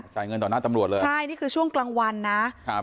จ่ายเงินต่อหน้าตำรวจเลยใช่นี่คือช่วงกลางวันนะครับ